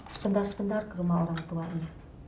sebentar sebentar ke rumah orang tuanya